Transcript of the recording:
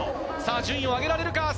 順位をあげられるか？